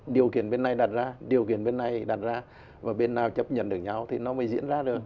điều kiện bên này đặt ra điều kiện bên này đặt ra và bên nào chấp nhận được nhau thì nó mới diễn ra được